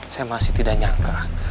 saya masih tidak nyangka